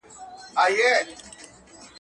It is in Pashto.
چي کوچنى و نه ژاړي، مور تى نه ورکوي.